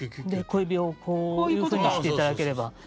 小指をこういうふうにしていただければ。